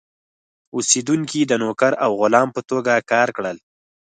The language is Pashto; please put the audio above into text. اوسېدونکي د نوکر او غلام په توګه کار کړل.